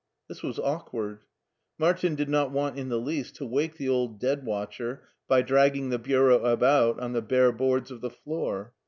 This was awkward. Martin did not want in the least to wake the old dead watcher by dragging the bureau about on the bare boards of the floor.